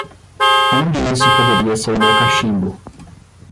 Onde isso poderia ser meu cachimbo?